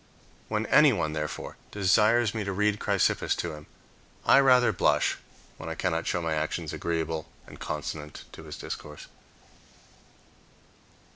When anyone, therefore, desires me to read Chrysippus to him, I rather blush when I cannot show my actions agreeable and consonant to his discourse.